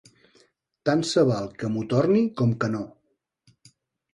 Tant se val que m'ho torni com que no.